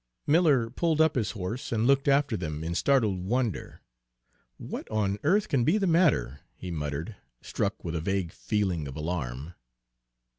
Miller pulled up his horse and looked after them in startled wonder. "What on earth can be the matter?" he muttered, struck with a vague feeling of alarm.